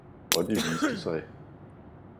Og det viste sig.